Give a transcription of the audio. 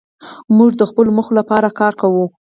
موږ د خپلو موخو لپاره کار کوو.